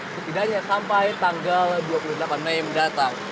setidaknya sampai tanggal dua puluh delapan mei mendatang